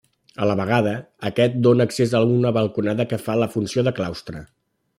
A la vegada aquest dóna accés a una balconada que fa la funció de claustre.